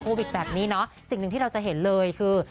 โควิดแบบนี้สิ่งหนึ่งที่เราจะเห็นเลยคือ